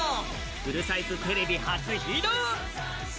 フルサイズテレビ初披露！